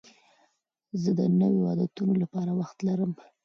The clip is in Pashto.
زه د نویو عادتونو لپاره وخت لرم.